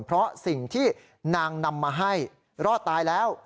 เพราะสิ่งที่นางนำมาให้รอดตายแล้ว